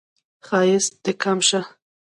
ښایست دې کم شه